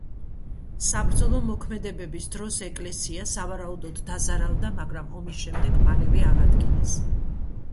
საბრძოლო მოქმედებების დროს ეკლესია, სავარაუდოდ დაზარალდა, მაგრამ ომის შემდეგ მალევე აღადგინეს.